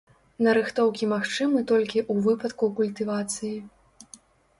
Нарыхтоўкі магчымы толькі ў выпадку культывацыі.